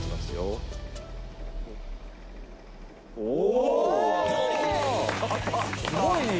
「すごい！」